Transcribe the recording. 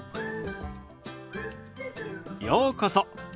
ようこそ。